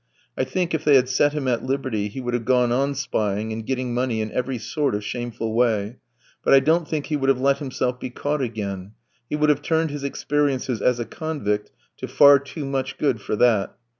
I think if they had set him at liberty he would have gone on spying and getting money in every sort of shameful way, but I don't think he would have let himself be caught again; he would have turned his experiences as a convict to far too much good for that.